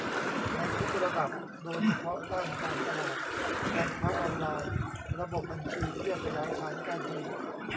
ในทุกระดับ โดยเฉพาะด้านการตลาด การค้าออนไลน์ ระบบบัญชี เพื่อขยายฐานการผลิต